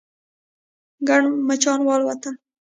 ګڼ مچان والوتل.